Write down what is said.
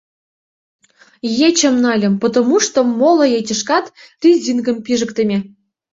Ечым нальым, потомушто моло ечышкат резинкым пижыктыме.